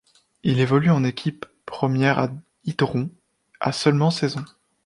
Il évolue en équipe première à Idron, à seulement seize ans.